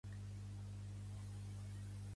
Premi al lideratge de Bush.